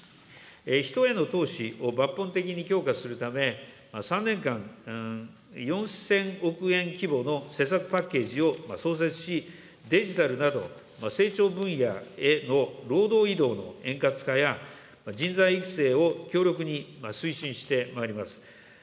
人への投資を抜本的に強化するため、３年間、４０００億円規模の施策パッケージを創設し、デジタルなど、成長分野への労働移動の円滑化や、人材育成を強力に推進してまいります。